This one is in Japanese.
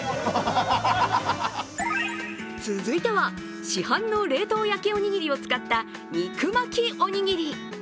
続いては市販の冷凍焼きおにぎりを使った肉巻きおにぎり。